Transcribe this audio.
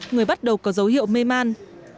người bắt đầu có dấu hiệu mê man